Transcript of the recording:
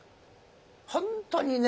本当にね